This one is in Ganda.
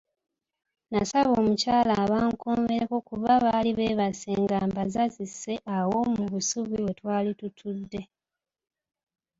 Nasaba omukyala abankuumireko kuba baali beebase nga mbazazise awo mu busubi we twali tutudde.